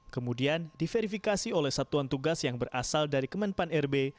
kemudian diverifikasi oleh satuan tugas yang berasal dari kemenpan rb